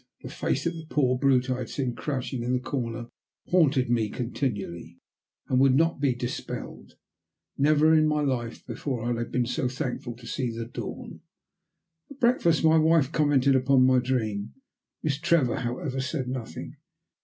The face of the poor brute I had seen crouching in the corner haunted me continually, and would not be dispelled. Never in my life before had I been so thankful to see the dawn. At breakfast my wife commented upon my dream. Miss Trevor, however, said nothing.